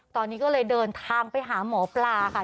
ตอนนี้ก็เลยเดินทางไปหาหมอปลาค่ะ